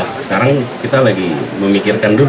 sekarang kita lagi memikirkan dulu